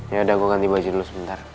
ya udah gue ganti baju dulu sebentar